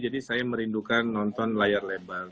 jadi saya merindukan nonton layar lebar